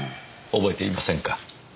覚えていませんか？